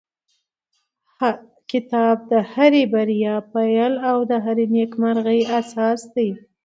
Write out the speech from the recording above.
کتاب د هرې بریا پیل او د هرې نېکمرغۍ اساس دی.